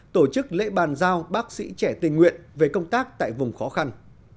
tổ chức lễ bàn giao bác sĩ trẻ tình nguyện về công tác tại vùng khó khăn